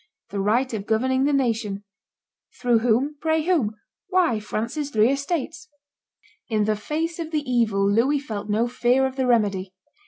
"The right of governing the nation ..." "Through whom? pray, whom?" "Why, France's three estates." In the face of the evil Louis felt no fear of the remedy.